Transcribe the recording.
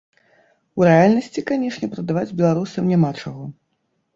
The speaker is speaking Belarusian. У рэальнасці, канешне, прадаваць беларусам няма чаго.